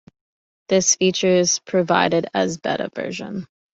This feature is provided as beta version.